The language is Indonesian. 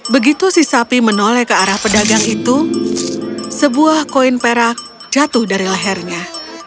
begitu si sapi menoleh ke arah pedagang itu sebuah koin perak jatuh dari lehernya